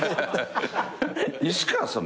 西川さん